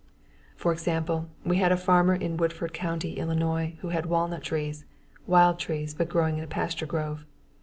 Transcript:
For example, we had a farmer in Woodford County, Illinois who had walnut trees, wild trees, but growing in a pasture grove.